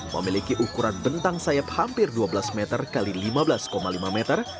memiliki ukuran bentang sayap hampir dua belas meter x lima belas lima meter